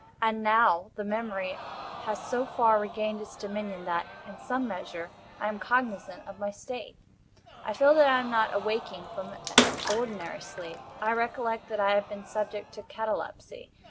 And now the memory has so far regained its dominion, that, in some measure, I am cognizant of my state. I feel that I am not awaking from ordinary sleep. I recollect that I have been subject to catalepsy.